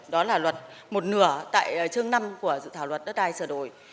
đó là luật một nửa tại chương năm của dự thảo luật đất đai sửa đổi